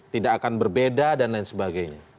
tidak akan berbeda dan lain sebagainya